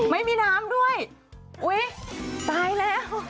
ไม่มีน้ำด้วยอุ๊ยตายแล้ว